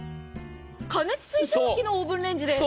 過熱水蒸気のオーブンレンジです。